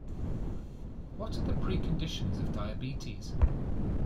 What are the preconditions of diabetes?